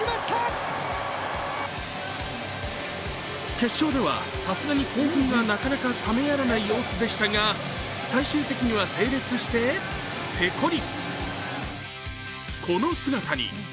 決勝ではさすがに興奮がなかなか冷めやらない様子でしたが最終的には整列してぺこり。